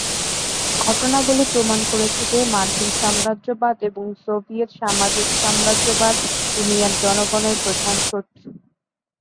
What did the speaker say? ঘটনাবলী প্রমাণ করেছে যে, মার্কিন সাম্রাজ্যবাদ এবং সোভিয়েত সামাজিক সাম্রাজ্যবাদ দুনিয়ার জনগণের প্রধান শত্রু।